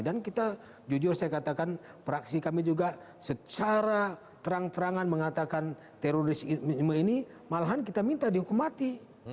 dan kita jujur saya katakan praksi kami juga secara terang terangan mengatakan teroris ini malahan kita minta dihukum mati